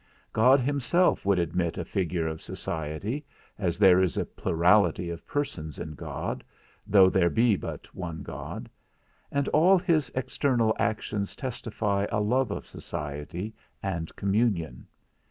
God himself would admit a figure of society, as there is a plurality of persons in God, though there be but one God; and all his external actions testify a love of society, and communion.